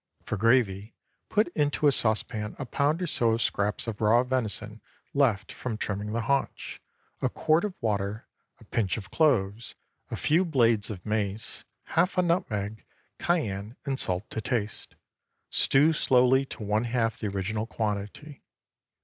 For gravy, put into a saucepan a pound or so of scraps of raw venison left from trimming the haunch, a quart of water, a pinch of cloves, a few blades of mace, half a nutmeg, cayenne and salt to taste. Stew slowly to one half the original quantity.